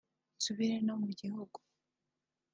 nsubire no mu gihugu